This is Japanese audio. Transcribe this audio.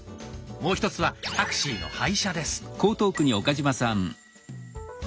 もう１つはタクシーの配車です。